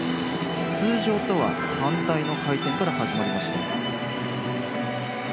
通常とは反対の回転から始まりました。